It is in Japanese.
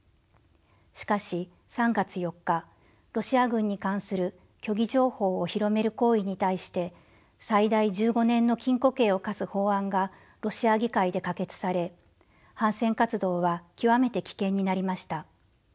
しかし３月４日ロシア軍に関する虚偽情報を広める行為に対して最大１５年の禁錮刑を科す法案がロシア議会で可決され反戦活動は極めて危険になりました。